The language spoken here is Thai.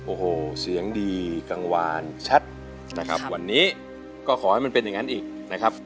โอ้โหเสียงดีกังวานชัดนะครับวันนี้ก็ขอให้มันเป็นอย่างนั้นอีกนะครับ